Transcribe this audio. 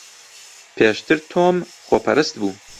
پێشتر تۆم خۆپەرست بوو.